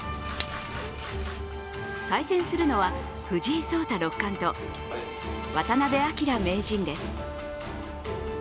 対戦するのは藤井聡太六冠と渡辺明名人です。